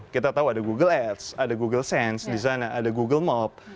kita tahu ada google ads ada google sense di sana ada google mop